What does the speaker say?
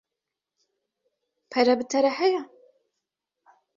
Pere bi te re heye?